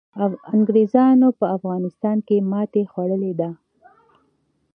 انګریزانو په افغانستان کي ماتي خوړلي ده.